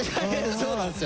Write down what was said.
そうなんですよ